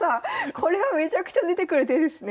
これはめちゃくちゃ出てくる手ですね。